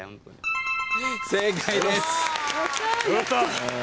正解です。